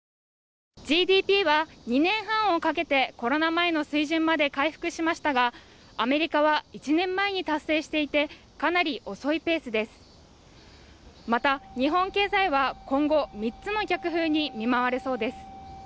ＧＤＰは２年半をかけてコロナ前の水準まで回復しましたがアメリカは１年前に達成していてかなり遅いペースですまた日本経済は今後３つの逆風に見舞われそうです